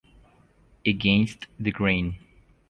Against the Grain.